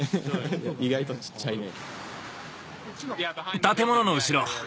意外と小っちゃいね。